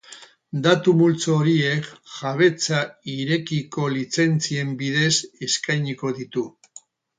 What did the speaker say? Datu multzo horiek jabetza irekiko lizentzien bidez eskainiko ditu.